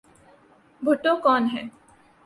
بھٹو کون ہیں؟